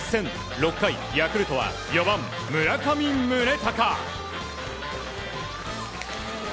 ６回、ヤクルトは４番、村上宗隆。